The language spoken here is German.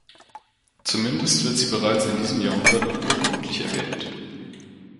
Zumindest wird sie bereits in diesem Jahrhundert auch urkundlich erwähnt.